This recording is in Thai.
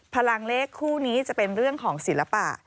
พลังเลขคู่นี้จะเป็นเรื่องของศิลปะ